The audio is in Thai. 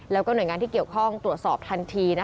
แล้วก็หน่วยงานที่เกี่ยวข้องตรวจสอบทันที